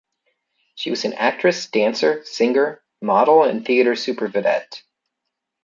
She was an actress, dancer, singer, model and theater supervedette.